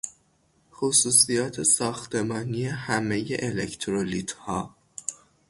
خصوصیات ساختمانی همهی الکترولیتها